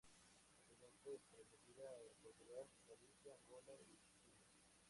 Actualmente es transmitida en Portugal, Galicia, Angola y Siria.